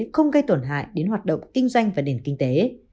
không gây tổn hại đến hoạt động kinh doanh và nền kinh tế